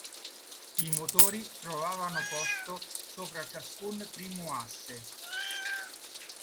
I motori trovavano posto sopra ciascun primo asse.